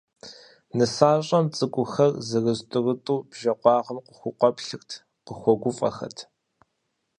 Нысащӏэм, цӏыкӏухэр, зырыз-тӏурытӏурэ, бжэ къуагъым къыхукъуэплъырт, къыхуэгуфӏэхэрт.